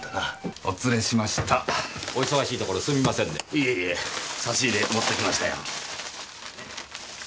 いえいえ差し入れ持って来ましたよ。